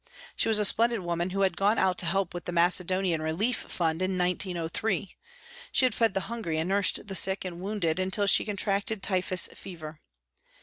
She was a splendid woman who had gone out to help with the Macedonian relief fund in 1903. She had fed the hungry and nursed the sick and wounded until she contracted typhus fever.